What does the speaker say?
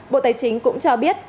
bộ tài chính cũng cho biết